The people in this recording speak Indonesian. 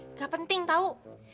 nggak penting tau